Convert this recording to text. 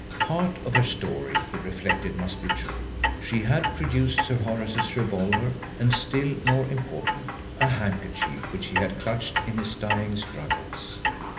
Part of her story, he reflected, must be true. She had produced Sir Horace's revolver, and, still more important, a handkerchief which he had clutched in his dying struggles.